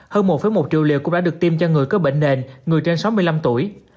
hơn một một triệu liều cũng đã được tiêm cho người có bệnh nền người trên sáu mươi năm tuổi